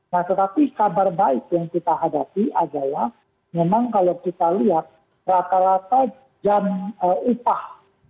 nah tetapi kabar baik yang kita hadapi adalah memang kalau kita lihat rata rata jam upah